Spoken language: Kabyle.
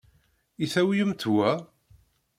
I tawyemt wa?